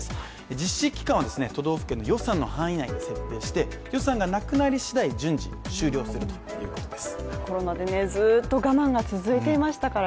実施期間は都道府県の予算の範囲内で設定して予算がなくなり次第順次終了するということです。